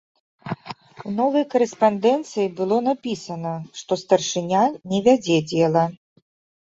У новай карэспандэнцыі было напісана, што старшыня не вядзе дзела.